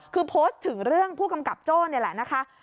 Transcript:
คือโพสต์ถึงเรื่องผู้กำกับโจ้นี่แหละนะคะ